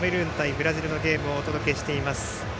ブラジルのゲームをお届けしています。